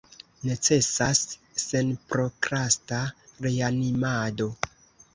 Necesas senprokrasta reanimado.